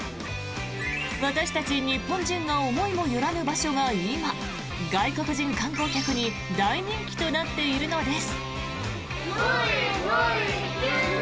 私たち日本人が思いもよらぬ場所が今、外国人観光客に大人気となっているのです。